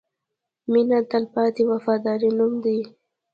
• مینه د تلپاتې وفادارۍ نوم دی.